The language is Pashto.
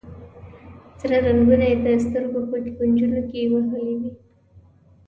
سره رنګونه یې د سترګو په کونجونو کې وهلي وي.